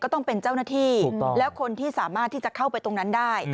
ต้องเป็นเจ้าหน้าที่แล้วคนที่สามารถที่จะเข้าไปตรงนั้นได้